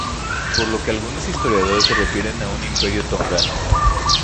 Por lo que algunos historiadores se refieren a un 'Imperio tongano'.